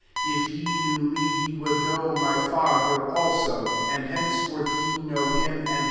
7 If ye knew me, ye would know my Father also : and henceforth ye know him, and have se«i him."